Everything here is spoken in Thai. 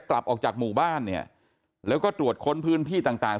กลับออกจากหมู่บ้านเนี่ยแล้วก็ตรวจค้นพื้นที่ต่างต่าง